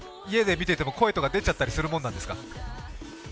家で見ていても声とか出ちゃったりするものですか？